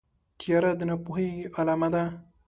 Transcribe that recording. تیاره د ناپوهۍ علامه ده.